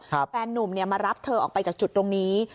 แฟนนุ่มเนี่ยมารับเธอออกไปจากจุดตรงนี้